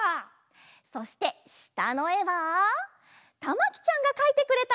そしてしたのえはたまきちゃんがかいてくれたえです。